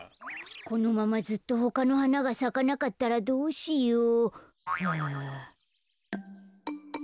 このままずっとほかのはながさかなかったらどうしよう。